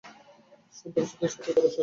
সন্ত্রাসীদের সাথে উঠাবসা আছে।